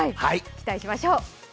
期待しましょう。